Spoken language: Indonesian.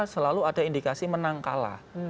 selalu ada indikasi menang kalah